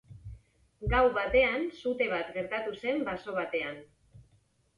Gau batean, sute bat gertatu zen baso batean.